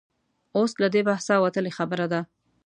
اوس له دې بحثه وتلې خبره ده.